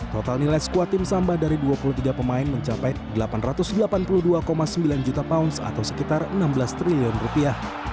total nilai skuad tim samba dari dua puluh tiga pemain mencapai delapan ratus delapan puluh dua sembilan juta pounds atau sekitar enam belas triliun rupiah